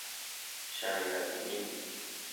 Shariatning vojib degan hukmini tushunishimiz kerak